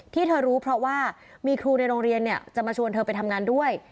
ที่เธอรู้เพราะว่ามีครูในโรงเรียนจะมาชวนเธอไปทำงานด้วย